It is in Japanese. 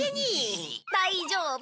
大丈夫。